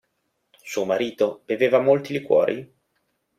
Suo marito beveva molti liquori?